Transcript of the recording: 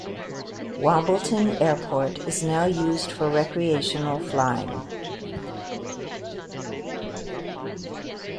Wombleton airport is now used for recreational flying.